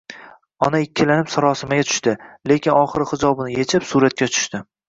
Ona ikkilanib, sarosimaga tushdi, lekin oxiri hijobini yechib suratga tushdi